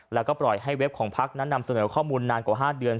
แล้วก็ปล่อยให้เว็บของพักนั้นนำเสนอข้อมูลนานกว่า๕เดือน